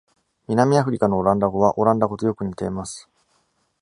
南アフリカのオランダ語はオランダ語とよく似ています。